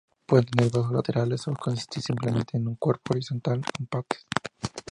Puede tener brazos laterales o consistir simplemente en un cuerpo horizontal con patas.